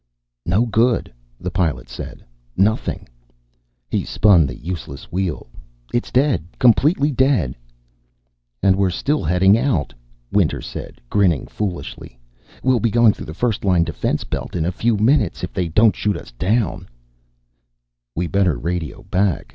"No good," the Pilot said. "Nothing." He spun the useless wheel. "It's dead, completely dead." "And we're still heading out," Winter said, grinning foolishly. "We'll be going through the first line defense belt in a few minutes. If they don't shoot us down " "We better radio back."